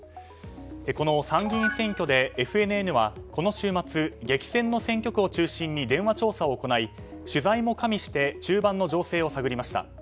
この参議院選挙でＦＮＮはこの週末激戦の選挙区を中心に電話調査を行い取材も加味して中盤の情勢を探りました。